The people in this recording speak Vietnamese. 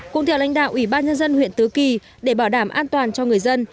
cùng theo lãnh đạo ủy ban dân huyện tứ kỳ để bảo đảm an toàn cho người dân